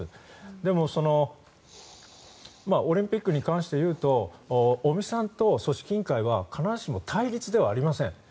でもオリンピックに関して言うと尾身さんと組織委員会は必ずしも対立ではありません。